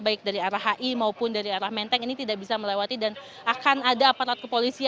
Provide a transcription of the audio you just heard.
baik dari arah hi maupun dari arah menteng ini tidak bisa melewati